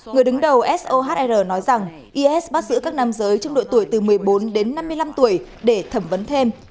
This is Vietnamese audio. người đứng đầu sohr nói rằng is bắt giữ các nam giới trong độ tuổi từ một mươi bốn đến năm mươi năm tuổi để thẩm vấn thêm